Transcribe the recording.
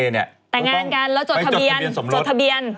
แต่งงานกันแล้วจดทะเบียน